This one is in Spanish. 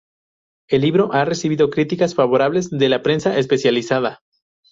El libro ha recibido críticas favorables de la prensa especializada.